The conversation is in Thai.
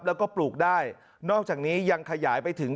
แล้วก็ปลูกได้นอกจากนี้ยังขยายไปถึง